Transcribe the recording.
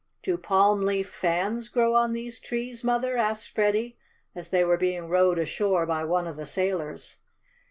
"Do palm leaf fans grow on these trees, Mother?" asked Freddie as they were being rowed ashore by one of the sailors.